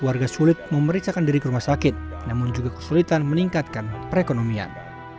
warga sulit memeriksakan diri ke rumah sakit namun juga kesulitan meningkatkan perekonomian